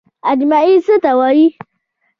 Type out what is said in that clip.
اجماع څه ته وایي؟